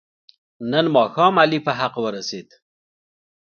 نن ماښام علي په حق ورسید.